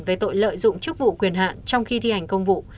về tội lợi dụng chức vụ quyền hạn trong khi thi hành công vụ